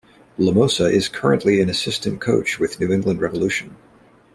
Llamosa is currently an assistant coach with New England Revolution.